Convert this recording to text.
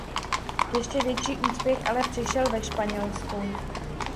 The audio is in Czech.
Ještě větší úspěch ale přišel ve Španělsku.